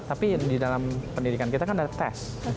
tapi di dalam pendidikan kita kan ada tes